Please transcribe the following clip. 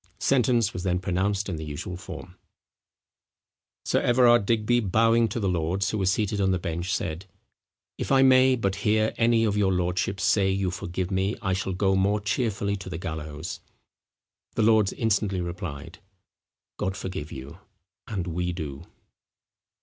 Sentence was then pronounced in the usual form. Sir Everard Digby bowing to the lords who were seated on the bench, said, "If I may but hear any of your lordships say you forgive me, I shall go more cheerfully to the gallows." The lords instantly replied, "God forgive you, and we do."